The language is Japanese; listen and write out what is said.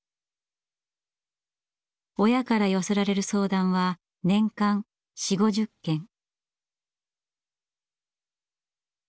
親から寄せられる相談は年間４０５０件。